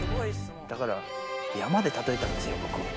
だから、山でたとえたんですよ、僕。